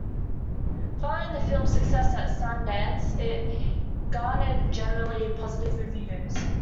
Following the film's success at Sundance, it garnered generally positive reviews.